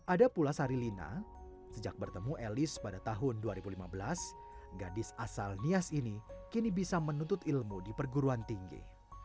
ada pula sarilina sejak bertemu elis pada tahun dua ribu lima belas gadis asal nias ini kini bisa menuntut ilmu di perguruan tinggi